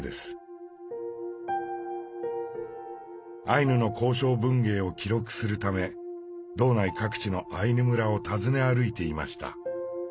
アイヌの口承文芸を記録するため道内各地のアイヌ村を訪ね歩いていました。